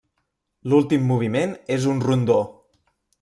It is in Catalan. L'últim moviment és un rondó.